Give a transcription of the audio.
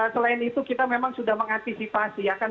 selain itu kita memang sudah mengantisipasi ya kan